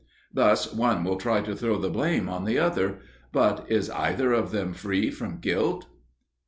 Thus one will try to throw the blame on the other; but is either of them free from guilt?